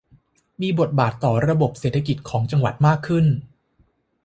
มีบทบาทต่อระบบเศรษฐกิจของจังหวัดมากขึ้น